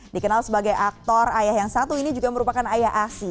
dikenal sebagai aktor ayah yang satu ini juga merupakan ayah asi